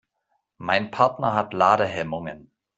Mein Partner hat Ladehemmungen.